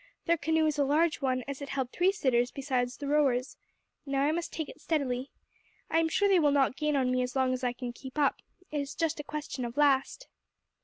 "Their canoe is a large one, as it held three sitters besides the rowers. Now I must take it steadily. I am sure they will not gain on me as long as I can keep up it is just a question of last."